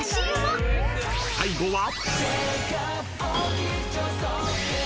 ［最後は］